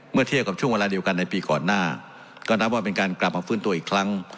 เมื่อเทียบกับช่วงเวลาเดียวกันในปีก่อนหน้าก็นับว่าเป็นการกลับมาฟื้นตัวอีกครั้ง